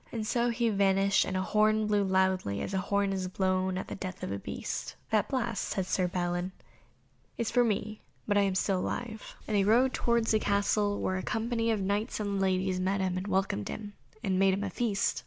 And so he vanished, and a horn blew loudly, as a horn is blown at the death of a beast. "That blast," said Balin, "is for me, but I am still alive," and he rode to the castle, where a great company of knights and ladies met him and welcomed him, and made him a feast.